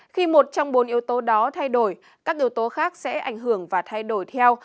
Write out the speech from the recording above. khi một trong bốn yếu tố đó thay đổi các yếu tố khác sẽ ảnh hưởng và thay đổi theo